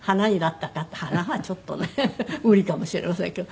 花はちょっとね無理かもしれませんけど。